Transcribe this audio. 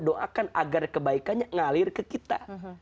doakan agar kebaikannya ngalir ke kita